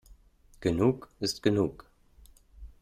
Genug ist genug.